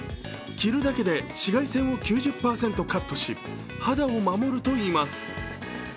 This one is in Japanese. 着るだけで紫外線を９０％カットし、肌を守るといいます。